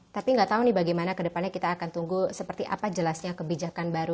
tapi nggak tahu nih bagaimana kedepannya kita akan tunggu seperti apa jelasnya kebijakan baru